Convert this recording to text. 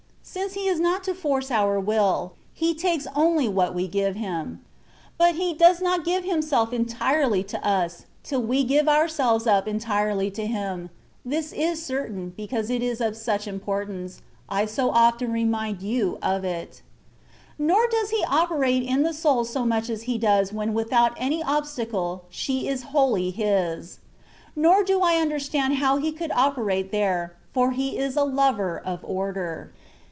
Since He is not to force our will. He takes only what we give Him. But He does not give Him self entirely to us, till we give ourselves up entirely to Him (this is certain, and because it is of such importance, I so often remind you of it) ; nor does He operate in the soul so much as He does when without any obstacle she is wholly His : nor do I understand how He could operate there, for He is a lover of order.